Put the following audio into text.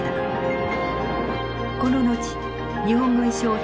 この後日本軍将兵